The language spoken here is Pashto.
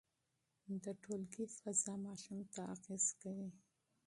د ټولګي فضا ماشوم ته اغېز کوي.